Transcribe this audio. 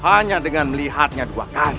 hanya dengan melihatnya dua kali